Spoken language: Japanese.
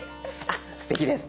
あっすてきです。